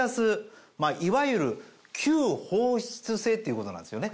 いわゆる。っていうことなんですよね。